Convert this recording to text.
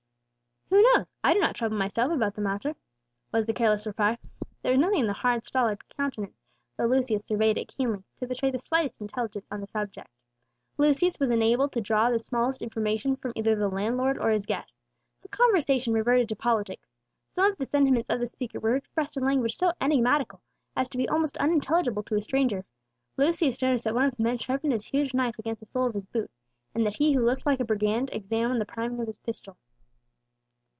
"Who knows? I do not trouble myself about the matter," was the careless reply. There was nothing in the hard, stolid countenance, though Lucius surveyed it keenly, to betray the slightest intelligence on the subject. Lucius was unable to draw the smallest information from either the landlord or his guests. The conversation reverted to politics. Some of the sentiments of the speaker were expressed in language so enigmatical as to be almost unintelligible to a stranger. Lucius noticed that one of the men sharpened his huge knife against the sole of his boot; and that he who looked like a brigand examined the priming of his pistol.